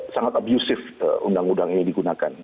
sangat abusive undang undang ini digunakan